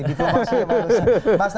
diplomasi memang harusnya